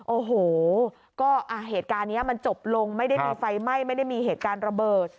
โอ้โหก็เหตุการณ์นี้มันจบลงไม่ได้มีไฟไหม้ไม่ได้มีเหตุการณ์ระเบิด